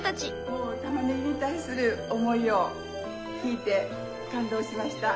もうたまねぎに対する思いを聞いて感動しました。